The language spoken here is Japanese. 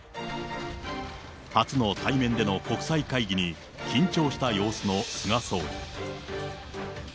初の対面での国際会議に緊張した様子の菅総理。